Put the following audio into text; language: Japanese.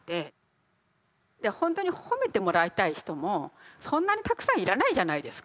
で本当に褒めてもらいたい人もそんなにたくさん要らないじゃないですか。